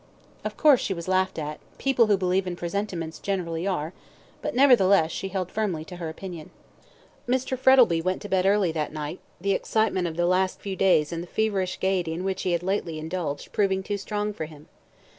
Of course she was laughed at people who believe in presentiments generally are but, nevertheless, she held firmly to her opinion. Mr. Frettlby went to bed early that night, the excitement of the last few days and the feverish gaiety in which he had lately indulged proving too strong for him.